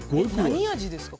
何味ですか？